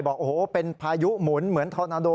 บอกโอ้โหเป็นพายุหมุนเหมือนทอนาโด